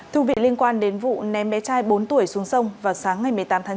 thưa vị liên quan đến vụ ném bé trai bốn tuổi xuống sông vào sáng ngày một mươi tám tháng chín